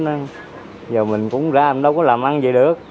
bây giờ mình cũng ra đâu có làm ăn gì được